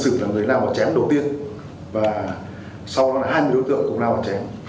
sự người võ thùy linh là người làm vào chém đầu tiên và sau đó là hai đối tượng cũng làm vào chém